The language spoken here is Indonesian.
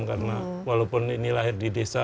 karena walaupun ini lahir di desa